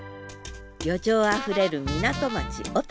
旅情あふれる港町小。